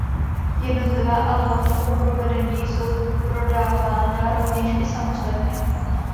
Jednotlivá alba v tomto provedení jsou prodávána rovněž i samostatně.